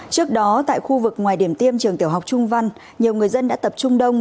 trước đó tại khu vực ngoài điểm tiêm trường tiểu học trung văn nhiều người dân đã tập trung đông